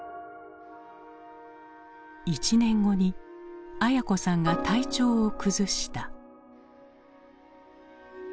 １年後に文子さんが体調を崩した。